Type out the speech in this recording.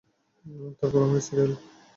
তারপর আমার স্ত্রী এল।